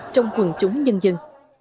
trong quần chúng nhân dân